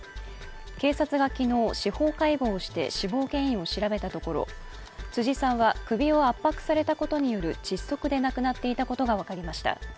警察が昨日、司法解剖をして死亡原因を調べたところ、辻さんは首を圧迫されたことによる窒息で亡くなっていたことが分かりました。